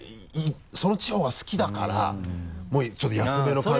その地方が好きだからちょっと安めの感じでも。